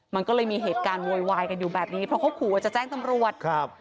มันก็เลยมีเหตุการณ์โวยวายกันอยู่แบบนี้เพราะเขาขู่ว่าจะแจ้งตำรวจครับ